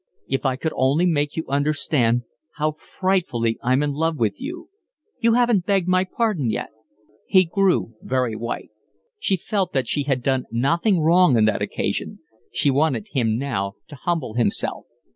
"If I could only make you understand how frightfully I'm in love with you." "You haven't begged my pardon yet." He grew very white. She felt that she had done nothing wrong on that occasion. She wanted him now to humble himself.